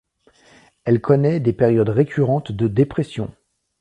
Elle connaît des périodes récurrentes de dépression.